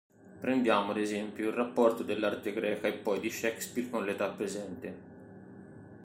Prendiamo, ad es., il rapporto dell'arte greca e poi di Shakespeare con l'età presente.